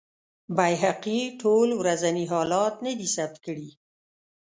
بیهقي ټول ورځني حالات نه دي ثبت کړي.